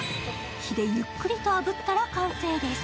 火でゆっくりとあぶったら完成です。